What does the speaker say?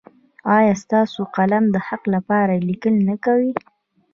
ایا ستاسو قلم د حق لپاره لیکل نه کوي؟